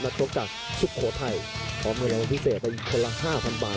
นักโชคจากสุโขทัยพร้อมเงินรวมพิเศษไปอีกคนละ๕๐๐๐บาท